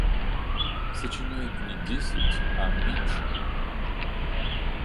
Сочиняет не десять, а меньше.